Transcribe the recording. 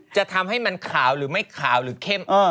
จะทำให้มันขาวหรือไม่ขาวหรือเข้ม